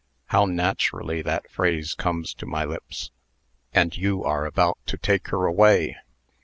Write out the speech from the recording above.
How naturally that phrase comes to my lips. And you are about to take her away.